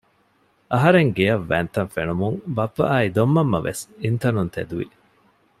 އަހަރެން ގެއަށް ވަތްތަން ފެނުމުން ބައްޕަ އާއި ދޮންމަންމަވެސް އިންތަނުން ތެދުވި